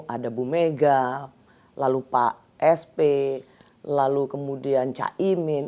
ada bu mega lalu pak sp lalu kemudian caimin